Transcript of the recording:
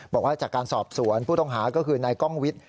บอกว่าจากการสอบสวนผู้ต้องหาก็คือนายกล้องวิทย์